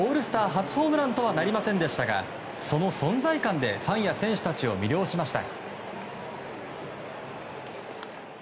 初ホームランとはなりませんでしたがその存在感でファンや選手たちを魅了しました。